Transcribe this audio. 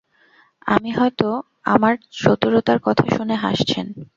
আপনি হয়তো আমার চতুরতার কথা শুনে হাসছেন।